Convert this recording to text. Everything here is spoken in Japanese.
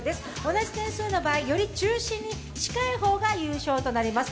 同じ点数の場合、より中心に近い方が優勝となります。